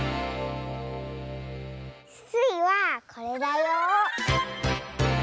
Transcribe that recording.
スイはこれだよ。